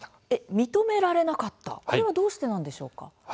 認められなかったこれはどうしてですか。